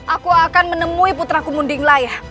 aku akan menemui putraku munding lain